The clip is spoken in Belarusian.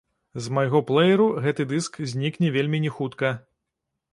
З майго плэеру гэты дыск знікне вельмі не хутка.